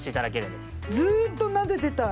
ずーっとなでてたい。